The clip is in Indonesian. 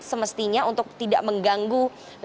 semestinya untuk tidak mengganggu